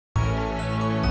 ya jun juga